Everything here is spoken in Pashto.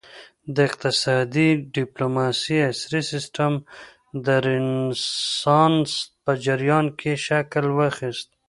د اقتصادي ډیپلوماسي عصري سیسټم د رینسانس په جریان کې شکل واخیست